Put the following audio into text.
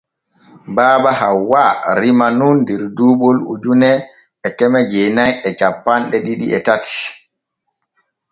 Baba Hawwa rimaa nun der duuɓol ujune e keme jeenay e cappanɗe ɗiɗi e tati.